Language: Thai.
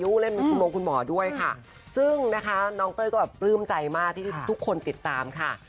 ดูแลมีธุรกุลหมอด้วยค่ะซึ่งนะคะน้องเต้อก็ปลื้มใจมากที่ทุกคนติดตามค่ะ